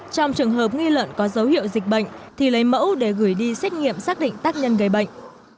trong trường hợp nghi lợn có dấu hiệu dịch bệnh thì lấy mẫu để gửi đi xét nghiệm xác định tác nhân gây bệnh